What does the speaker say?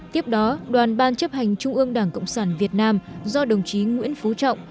tiếp đó đoàn ban chấp hành trung ương đảng cộng sản việt nam do đồng chí nguyễn phú trọng